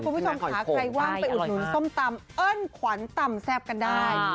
คุณผู้ชมค่ะใครว่างไปอุดหนุนส้มตำเอิ้นขวัญตำแซ่บกันได้